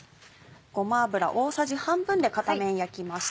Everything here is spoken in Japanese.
ごま油大さじ半分で片面焼きました。